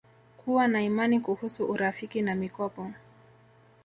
Kuwa na imani Kuhusu urafiki na mikopo